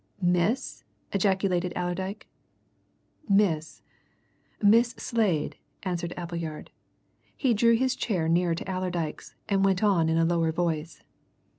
"Miss?" ejaculated Allerdyke. "Miss Miss Slade," answered Appleyard. He drew his chair nearer to Allerdyke's, and went on in a lower voice.